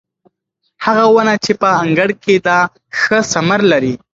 هغه ونه چې په انګړ کې ده ښه ثمر لري.